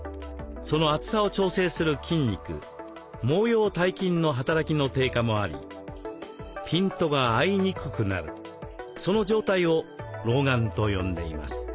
その厚さを調整する筋肉毛様体筋の働きの低下もありピントが合いにくくなるその状態を老眼と呼んでいます。